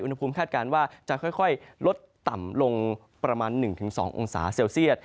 อุณหภูมิคาดการณ์ว่าจะค่อยลดต่ำลงประมาณ๑๒องศาเซลเซียต